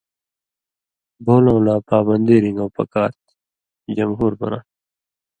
بھولؤں لا پابندی رِن٘گؤں پکار تھی، جمہور بناں تھہ۔